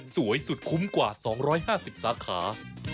สวยสุดคุ้มกว่า๒๕๐สาขา